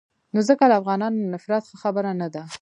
نو ځکه له افغانانو نفرت ښه خبره نه ده.